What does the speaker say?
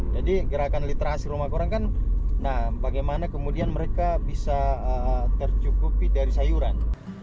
jadi gerakan literasi rumah korang kan nah bagaimana kemudian mereka bisa tercukupi dari sayuran